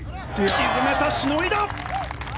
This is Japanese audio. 沈めた、しのいだ！